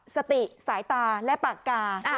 สติสายตาและปากกา